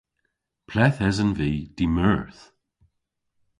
Ple'th esen vy dy'Meurth?